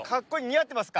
似合ってますか？